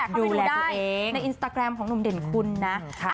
เขาดูได้ในอินสตาแกรมของหนุ่มเด่นคุณนะ